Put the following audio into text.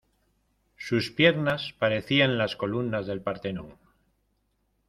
Sus piernas parecían las columnas del Partenón.